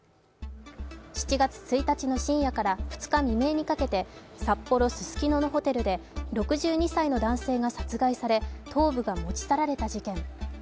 ７月１日の深夜から２日未明にかけて札幌・ススキノのホテルで６２歳の男性が殺害され、頭部が持ち去られた事件。